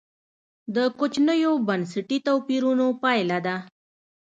د کوچنیو بنسټي توپیرونو پایله ده.